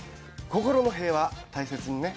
心の平和、大切にね。